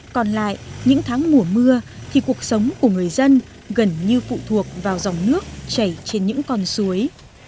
còn lại những tháng mùa mưa thì cuộc sống của người dân gần như phụ thuộc vào dòng nước chảy trên những con suối